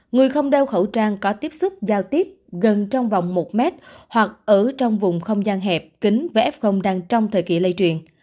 người không đeo khẩu trang có tiếp xúc giao tiếp gần trong vòng một mét hoặc ở trong vùng không gian hẹp kính và f đang trong thời kỳ lây truyền